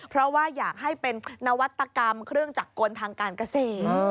เพราะว่าอยากให้เป็นนวัตกรรมเครื่องจักรกลทางการเกษตร